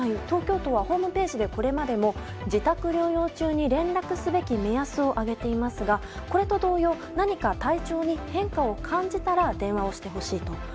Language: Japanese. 東京都はホームページでこれまでも自宅療養中に連絡すべき目安を挙げていますが、これと同様何か体調に変化を感じたら電話をしてほしいと。